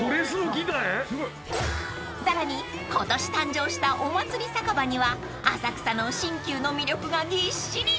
［さらに今年誕生したお祭り酒場には浅草の新旧の魅力がぎっしり］